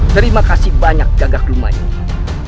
terima kasih banyak gagak lumayan